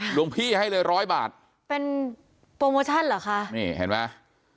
หลวงพี่ให้เลยร้อยบาทเป็นโปรโมชั่นเหรอคะนี่เห็นไหม